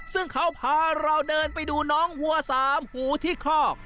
ซึ่งเขาพาเราเดินไปดูน้องวัวสามหูที่คอก